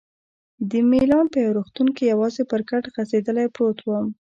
د میلان په یو روغتون کې یوازې پر کټ غځېدلی پروت وم.